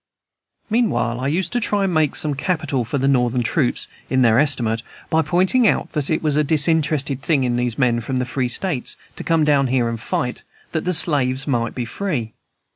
Meanwhile, I used to try to make some capital for the Northern troops, in their estimate, by pointing out that it was a disinterested thing in these men from the free States, to come down there and fight, that the slaves might be free.